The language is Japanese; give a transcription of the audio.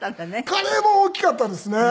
カレーも大きかったですね。